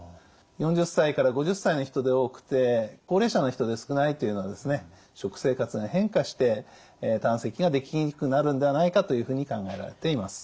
４０歳から５０歳の人で多くて高齢者の人で少ないというのは食生活が変化して胆石ができにくくなるのではないかというふうに考えられています。